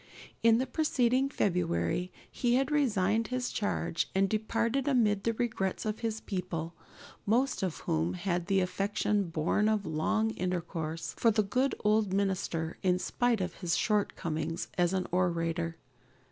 In the preceding February he had resigned his charge and departed amid the regrets of his people, most of whom had the affection born of long intercourse for their good old minister in spite of his shortcomings as an orator.